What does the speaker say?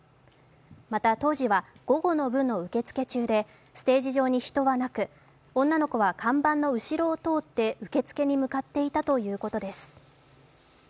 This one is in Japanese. また、当時は午後の部の受け付け中でステージ上に人はなく女の子は看板の後ろを通って受付に向かっていたということです。